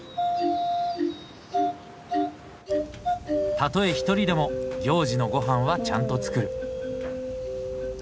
たとえ一人でも行事のごはんはちゃんと作る。